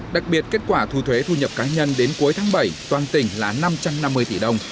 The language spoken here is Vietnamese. đặc biệt kết quả thu thuế thu nhập cá nhân đến cuối tháng bảy toàn tỉnh là năm trăm năm mươi tỷ đồng